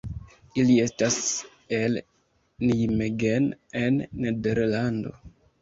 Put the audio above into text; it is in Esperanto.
Ili estas el Nijmegen en Nederlando.